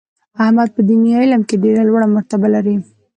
احمد په دیني علم کې ډېره لوړه مرتبه لري.